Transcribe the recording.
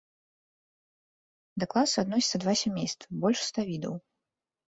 Да класа адносяцца два сямействы, больш ста відаў.